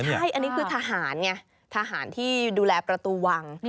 ใช่อันนี้คือทหารไงทหารที่ดูแลประตูวัง